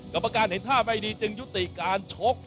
กับประการเห็นท่าใบดีจึงยุติการชก